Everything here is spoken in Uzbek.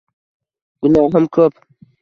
Gunohim ko’p